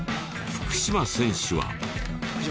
福島選手。